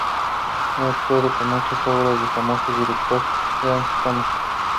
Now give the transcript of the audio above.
Ha actuado en muchas obras de famoso director Gerald Thomas.